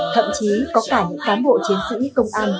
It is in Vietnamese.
thậm chí có cả những cán bộ chiến sĩ công an